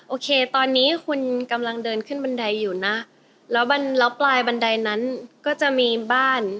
โอเคตอนนี้คุณกำลังเดินขึ้นบันไดอยู่นะแล้วปลายบันไดนั้นก็จะมีบ้าน